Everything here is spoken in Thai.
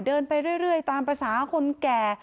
เดินไปเรื่อยตามภาษาคนแก่